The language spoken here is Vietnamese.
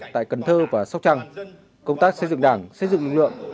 tại cần thơ và sóc trăng công tác xây dựng đảng xây dựng lực lượng